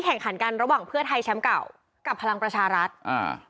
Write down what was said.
แข่งขันกันระหว่างเพื่อไทยแชมป์เก่ากับพลังประชารัฐอ่า